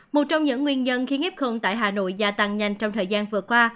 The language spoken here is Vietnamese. một trong những nguyên nhân khiến f tại hà nội gia tăng nhanh trong thời gian vừa qua